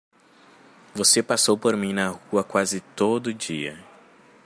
Você passou por mim na rua quase todo dia.